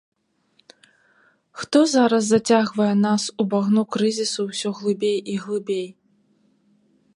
Хто зараз зацягвае нас у багну крызісу ўсё глыбей і глыбей?